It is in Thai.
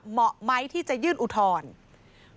เหมาะไหมที่จะยื่นอุทธรณ์